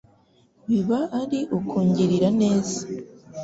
biba ari ukungirira neza